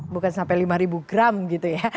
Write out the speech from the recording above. bukan sampai lima gram gitu ya